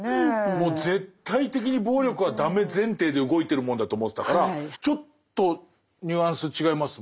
もう絶対的に暴力はダメ前提で動いてるものだと思ってたからちょっとニュアンス違いますもんね。